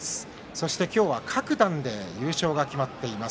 そして今日は各段で優勝が決まっています。